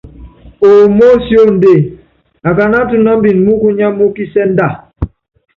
Ómósíóndée, akáná atúnámbini mukunya múkisɛ́ndɛa?